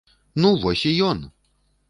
Ну вось і ён!